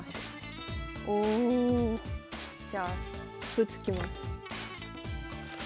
おお。じゃあ歩突きます。